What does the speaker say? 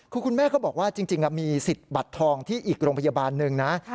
คือคุณแม่เขาบอกว่าจริงมีสิทธิ์บัตรทองที่อีกโรงพยาบาลหนึ่งนะ